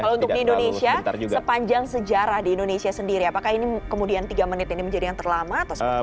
kalau untuk di indonesia sepanjang sejarah di indonesia sendiri apakah ini kemudian tiga menit ini menjadi yang terlama atau seperti apa